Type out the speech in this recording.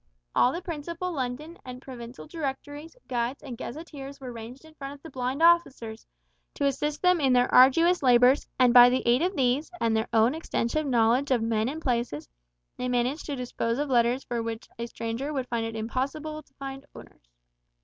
All the principal London and Provincial Directories, Guides, and Gazetteers were ranged in front of the blind officers, to assist them in their arduous labours, and by the aid of these, and their own extensive knowledge of men and places, they managed to dispose of letters for which a stranger would think it impossible to find owners.